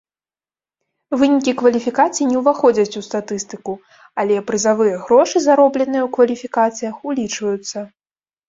Вынікі кваліфікацый не ўваходзяць у статыстыку, але прызавыя грошы, заробленыя ў кваліфікацыях, улічваюцца.